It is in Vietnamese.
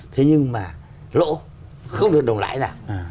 thế nhưng mà lỗ không được đồng lãi nào